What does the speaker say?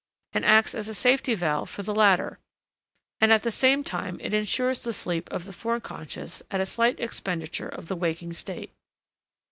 and acts as a safety valve for the latter, and at the same time it insures the sleep of the foreconscious at a slight expenditure of the waking state.